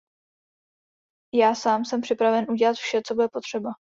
Já sám jsem připraven udělat vše, co bude třeba.